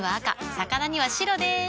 魚には白でーす。